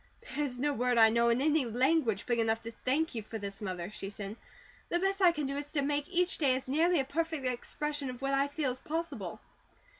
"There's no word I know in any language big enough to thank you for this, Mother," she said. "The best I can do is make each day as nearly a perfect expression of what I feel as possible."